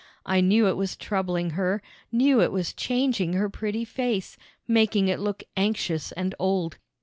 I knew it was troubling her, knew it was changing her pretty face, making it look anxious and old.